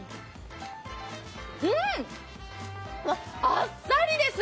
うん、あっさりです。